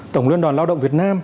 tổng luyên đoàn lao động việt nam